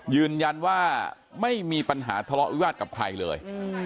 ยืนยันว่าไม่มีปัญหาทะเลาะวิวาสกับใครเลย